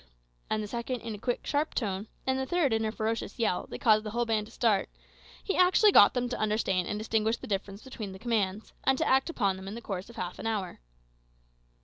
and the second in a quick, sharp tone, and the third in a ferocious yell that caused the whole band to start, he actually got them to understand and distinguish the difference between the commands, and to act upon them in the course of half an hour.